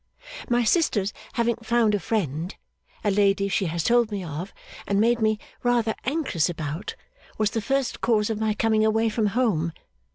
My sister's having found a friend, a lady she has told me of and made me rather anxious about, was the first cause of my coming away from home.